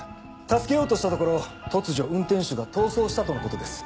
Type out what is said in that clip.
助けようとしたところ突如運転手が逃走したとのことです。